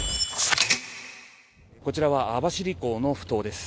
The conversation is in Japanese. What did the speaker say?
こちらは網走港のふ頭です。